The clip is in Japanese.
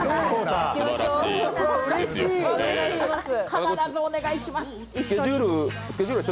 必ずお願いします、一緒に。